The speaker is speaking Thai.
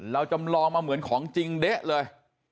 จำลองมาเหมือนของจริงเด๊ะเลย